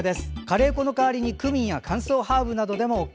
カレー粉の代わりにクミンや乾燥ハーブなどでもＯＫ。